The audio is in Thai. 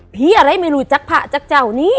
ปี๊อะไรไม่รู้จักผักจักเจ้านี่